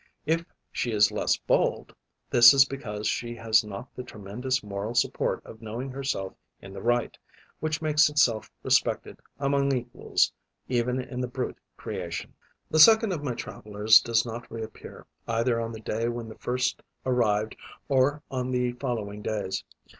If she is less bold, this is because she has not the tremendous moral support of knowing herself in the right, which makes itself respected, among equals, even in the brute creation. The second of my travellers does not reappear, either on the day when the first arrived or on the following days.